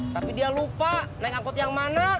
tapi dia lupa naik angkot yang mana